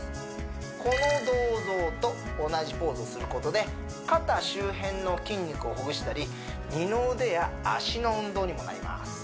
この銅像と同じポーズをすることで肩周辺の筋肉をほぐしたり二の腕や脚の運動にもなります